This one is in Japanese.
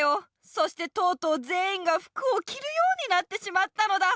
そしてとうとうぜんいんが服をきるようになってしまったのだ！